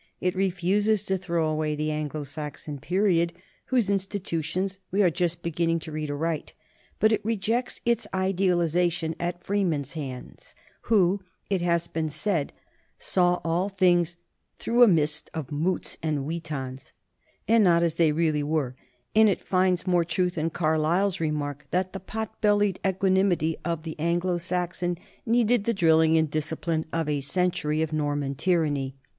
It refuses to throw away the Anglo Saxon period, whose institutions we are just be ginning to read aright; but it rejects its idealization at Freeman's hands, who, it has been said, saw all things "through a mist of moots and witans" and not as they really were, and it finds more truth in Carlyle's remark that the pot bellied equanimity of the Anglo Saxon 1 The English Constitution, p. 3. * Origin of the English Constitution (London, 1872), p. 20